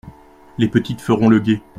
Les petites feront le guet.